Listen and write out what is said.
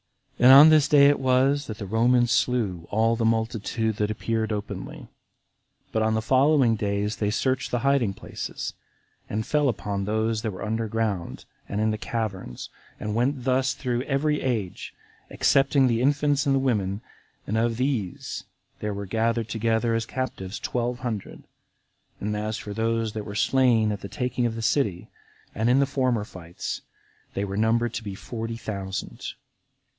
36. And on this day it was that the Romans slew all the multitude that appeared openly; but on the following days they searched the hiding places, and fell upon those that were under ground, and in the caverns, and went thus through every age, excepting the infants and the women, and of these there were gathered together as captives twelve hundred; and as for those that were slain at the taking of the city, and in the former fights, they were numbered to be forty thousand.